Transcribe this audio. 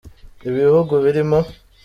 ibihugu birimo.